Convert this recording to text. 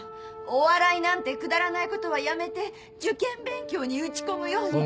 お笑いなんてくだらないことはやめて受験勉強に打ち込むように。